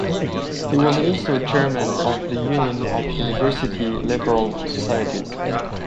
He was also Chairman of the Union of University Liberal Societies.